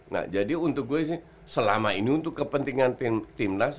nah jadi untuk gue sih selama ini untuk kepentingan timnas